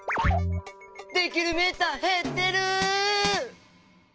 できるメーターへってる！